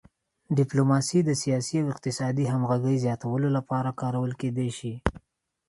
ډیپلوماسي د سیاسي او اقتصادي همغږۍ زیاتولو لپاره کارول کیدی شي